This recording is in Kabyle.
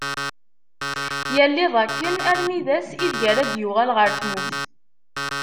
Yal iḍ akken armi d ass ideg ara d-yuɣal ɣer tmurt.